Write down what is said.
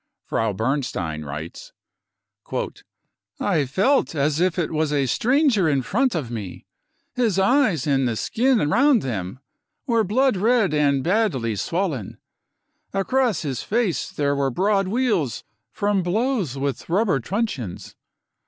Frau Bernstein writes :" I felt as if it was a stranger in front of me. His eyes and ■; the skin round them were blood red and badly swollen. Across his face there were broad weals from blows with I rubber truncheons.